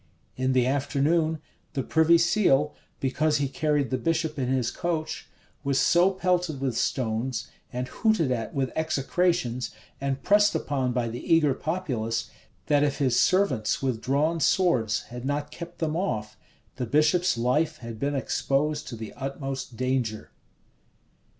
In the afternoon, the privy seal, because he carried the bishop in his coach, was so pelted with stones, and hooted at with execrations, and pressed upon by the eager populace, that if his servants with drawn swords had not kept them off, the bishop's life had been exposed to the utmost danger.